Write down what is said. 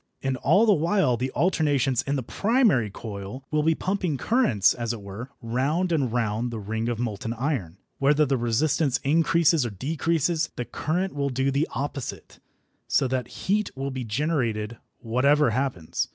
And all the while the alternations in the primary coil will be pumping currents, as it were, round and round the ring of molten iron. Whether the resistance increase or decrease, the current will do the opposite, so that heat will be generated whatever happens.